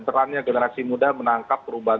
perannya generasi muda menangkap perubahan